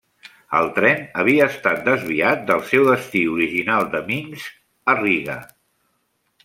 El tren havia estat desviat del seu destí original de Minsk a Riga.